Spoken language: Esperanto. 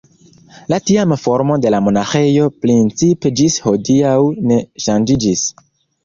La tiama formo de la monaĥejo principe ĝis hodiaŭ ne ŝanĝiĝis.